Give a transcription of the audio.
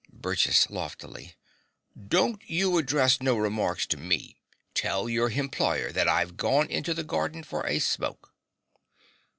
BURGESS (loftily). Don't you address no remarks to me. Tell your hemployer that I've gone into the garden for a smoke.